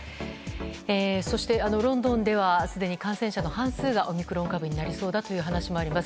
そしてロンドンではすでに感染者の半数がオミクロン株になりそうだという話もあります。